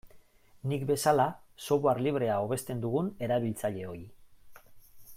Nik bezala software librea hobesten dugun erabiltzaileoi.